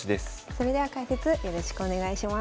それでは解説よろしくお願いします。